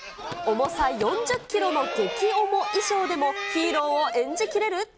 重さ４０キロの激重衣装でも、ヒーローを演じきれる？